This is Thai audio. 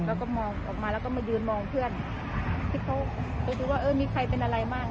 แล้วก็มองออกมาแล้วก็มายืนมองเพื่อนที่เขาไปดูว่าเออมีใครเป็นอะไรบ้าง